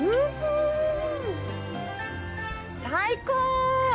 最高！